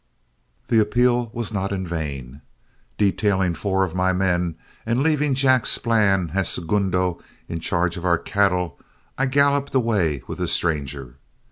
The appeal was not in vain. Detailing four of my men, and leaving Jack Splann as segundo in charge of our cattle, I galloped away with the stranger.